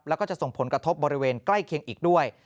แล้วก็จะส่งผลกระทบบริเวณใกล้เคียงอีกด้วย